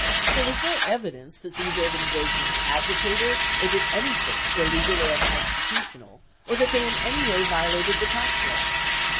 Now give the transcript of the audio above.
There was no evidence that these organizations advocated or did anything illegal or unconstitutional, or that they in any way vio lated the tax laws.